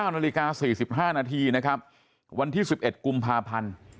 นาฬิกา๔๕นาทีนะครับวันที่๑๑กุมภาพันธ์